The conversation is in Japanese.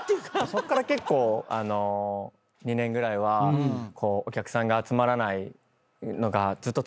そっから結構２年ぐらいはお客さんが集まらないのがずっと続いて。